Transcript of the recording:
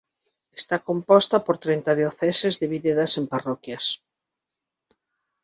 Está composta por trinta dioceses divididas en parroquias.